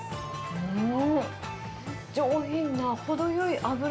うーん。